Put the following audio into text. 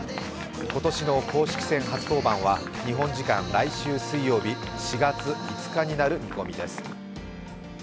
今年の公式戦初登板は日本時間、来週水曜日４月５日になる見込みです。